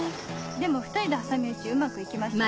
でも２人で挟み撃ちうまく行きましたね。